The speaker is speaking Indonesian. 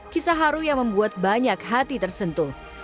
kisah haru yang membuat banyak hati tersentuh